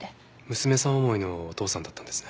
娘さん思いのお父さんだったんですね。